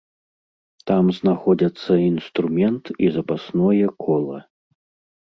Там знаходзяцца інструмент і запасное кола.